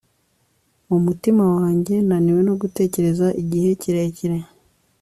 mu mutima wanjye, naniwe no gutegereza igihe kirekire